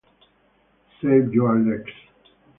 Save Your Legs!